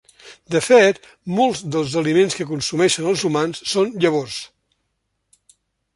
De fet, molts dels aliments que consumeixen els humans són llavors.